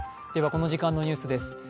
この時間のニュースです。